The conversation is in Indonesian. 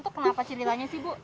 itu kenapa ceritanya sih bu